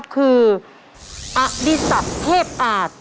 คืออธิสัตว์เทพอาท